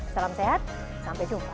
salam sehat sampai jumpa